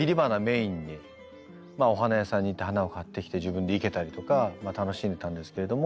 お花屋さんに行って花を買ってきて自分で生けたりとか楽しんでたんですけれども。